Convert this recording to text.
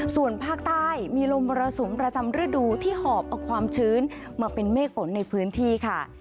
ส่วนภาคใต้มีลมมรสุมประจำฤดูที่หอบเอาความชื้นมาเป็นเมฆฝนในพื้นที่ค่ะ